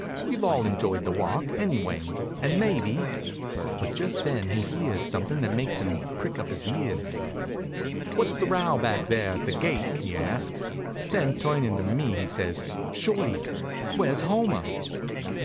"We've all enjoyed the walk, anyway, and maybe " But just then he hears something that makes him prick up his ears. "What's the row back there at the gate?" he asks. Then, turnin' to me, he says: "Shorty, where's Homer?"